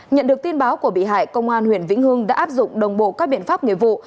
nhận được tin báo của bị hại công an huyện vĩnh hương đã áp dụng đồng bộ các biện pháp nghiệp vụ